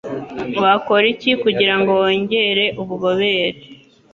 WAKORA IKI KUGIRA NGO WONGERE UBUBOBERE